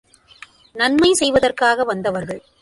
நன்மை செய்வதற்காக வந்தவர்கள்.